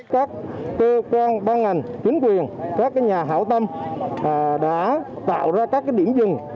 các cơ quan ban ngành chính quyền các nhà hảo tâm đã tạo ra các điểm dừng